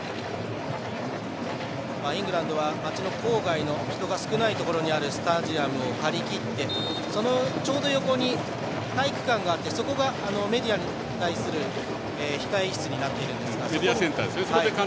イングランドは街の郊外の人が少ないところのスタジアムを借り切ってそのちょうど横に体育館があって、そこがメディアに対するメディアセンターですね。